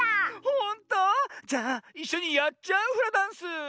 ほんと⁉じゃあいっしょにやっちゃうフラダンス？